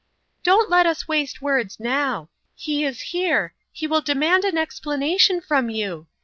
"Don't let us waste words now. He is here ; he will demand an explanation from you.